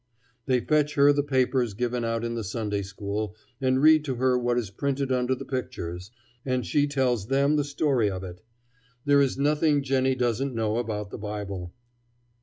They fetch her the papers given out in the Sunday school, and read to her what is printed under the pictures; and she tells them the story of it. There is nothing Jennie doesn't know about the Bible."